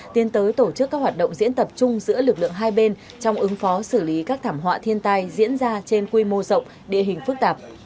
tiến tới tổ chức các hoạt động diễn tập chung giữa lực lượng hai bên trong ứng phó xử lý các thảm họa thiên tai diễn ra trên quy mô rộng địa hình phức tạp